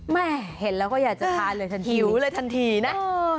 แม่เห็นแล้วก็อยากจะทานเลยทันทีหิวเลยทันทีนะ